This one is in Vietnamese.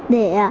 để làm gì con